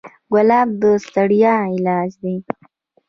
ګلاب د ستړیا علاج دی.